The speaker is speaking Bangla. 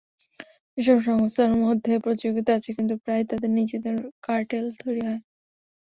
এসব সংস্থার মধ্যে প্রতিযোগিতা আছে, কিন্তু প্রায়ই তাদের নিজেদের কার্টেল তৈরি হয়।